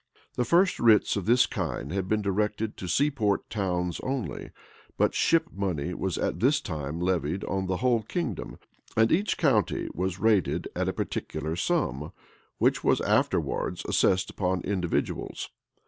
The first writs of this kind had been directed to seaport towns only: but ship money was at this time levied on the whole kingdom; and each county was rated at a particular sum, which was after wards assessed upon individuals.